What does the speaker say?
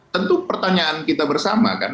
tentu pertanyaan kita bersama kan